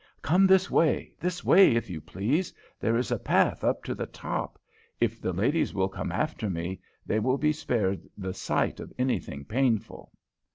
"Come this way! This way, if you please! There is a path up to the top. If the ladies will come after me, they will be spared the sight of anything painful."